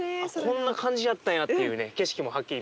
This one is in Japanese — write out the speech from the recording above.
こんな感じやったんやっていうね景色もはっきり見えてきましたけど。